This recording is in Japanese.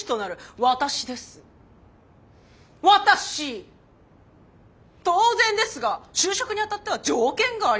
私当然ですが就職にあたっては条件があります。